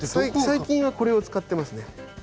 最近はこれを使ってますね。